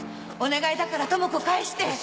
お願いだから智子返して！